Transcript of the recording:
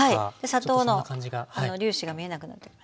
砂糖の粒子が見えなくなってきましたね。